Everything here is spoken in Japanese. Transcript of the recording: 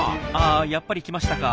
あやっぱり来ましたか。